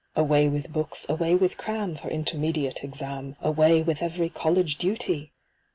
Away with books, away with cram For Intermediate Exam. ! Away with every college dut)' !